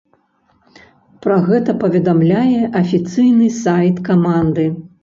Пра гэта паведамляе афіцыйны сайт каманды.